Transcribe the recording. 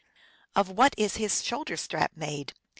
" Of what is his shoul der strap made?"